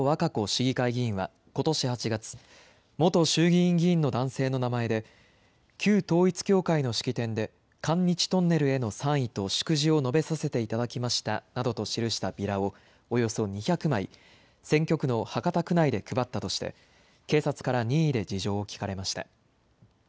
市議会議員は、ことし８月、元衆議院議員の男性の名前で、旧統一教会の式典で韓日トンネルへの賛意と祝辞を述べさせていただきましたなどと記したビラをおよそ２００枚、選挙区の博多区内で配ったとして、警察から任意で事情を聴かれました。